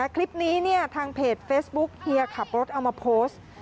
คลิปนี้เนี่ยทางเพจเฟซบุ๊กเฮียขับรถเอามาโพสต์